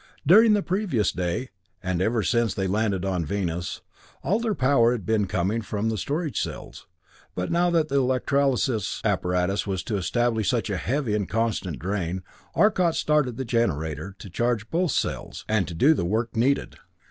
During the previous day, and ever since they had landed on Venus, all their power had been coming from the storage cells, but now that the electrolysis apparatus was to establish such a heavy and constant drain, Arcot started the generator, to both charge the cells, and to do the work needed.